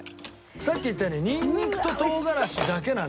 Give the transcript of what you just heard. さっき言ったようにニンニクと唐辛子だけなんですよ。